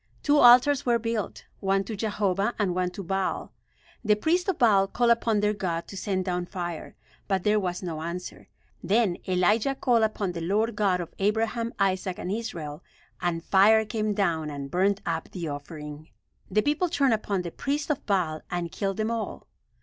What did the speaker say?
Two altars were built; one to Jehovah and one to Baal. The priests of Baal called upon their god to send down fire; but there was no answer. Then Elijah called upon the Lord God of Abraham, Isaac and Israel, and fire came down and burnt up the offering. The people turned upon the priests of Baal and killed them all.